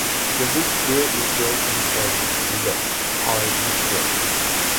The hooked bill is black and heavy, and the eye is red.